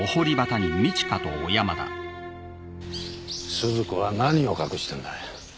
鈴子は何を隠してんだ？